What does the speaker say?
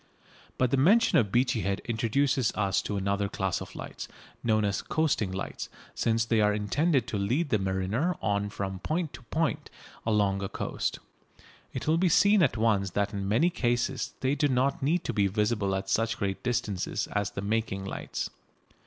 But the mention of Beachy Head introduces us to another class of lights, known as "coasting" lights, since they are intended to lead the mariner on from point to point along a coast. It will be seen at once that in many cases they do not need to be visible at such great distances as the making lights.